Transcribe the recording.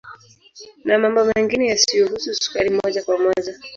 Na mambo mengine yasiyohusu sukari moja kwa moja